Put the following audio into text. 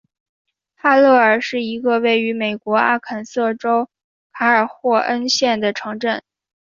哈勒尔是一个位于美国阿肯色州卡尔霍恩县的城镇。